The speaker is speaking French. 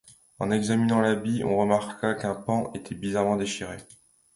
En examinant l’habit, on remarqua qu’un pan était bizarrement déchiré.